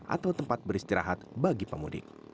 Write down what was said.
atau tempat beristirahat bagi pemudik